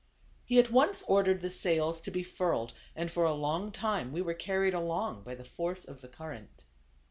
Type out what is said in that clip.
He at once ordered the sails to be furled, and for a long time we were carried along by the force of the current.